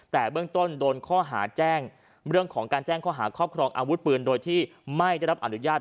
แต่เบื้องต้นโดนข้อหาแจ้งเรื่องของการแจ้งข้อหาครอบครองอาวุธปืนโดยที่ไม่ได้รับอนุญาต